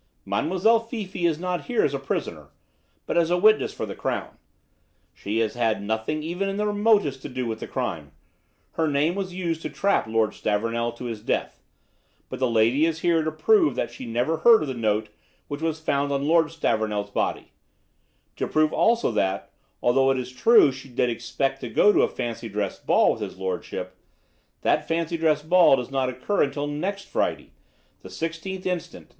"Mademoiselle Fifi is not here as a prisoner, but as a witness for the Crown. She has had nothing even in the remotest to do with the crime. Her name was used to trap Lord Stavornell to his death. But the lady is here to prove that she never heard of the note which was found on Lord Stavornell's body; to prove also that, although it is true she did expect to go to a fancy dress ball with his lordship, that fancy dress ball does not occur until next Friday, the sixteenth inst.